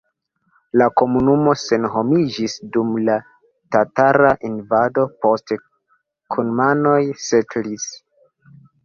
La komunumo senhomiĝis dum la tatara invado, poste kumanoj setlis.